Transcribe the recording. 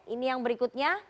ini yang berikutnya